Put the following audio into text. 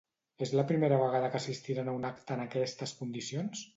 És la primera vegada que assistiran a un acte en aquestes condicions?